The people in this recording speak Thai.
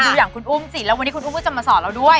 ดูอย่างคุณอุ้มสิแล้ววันนี้คุณอุ้มก็จะมาสอนเราด้วย